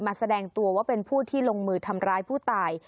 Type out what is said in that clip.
แสดงตัวว่าเป็นผู้ที่ลงมือทำร้ายผู้ตาย